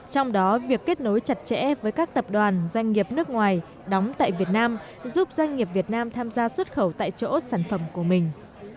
trong đó việc kết nối chặt chẽ với các tập đoàn doanh nghiệp nước ngoài đóng tại việt nam giúp doanh nghiệp việt nam tham gia xuất khẩu tại chỗ sản phẩm của mình